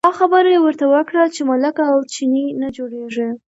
دا خبره یې ورته وکړه چې ملک او چینی نه جوړېږي.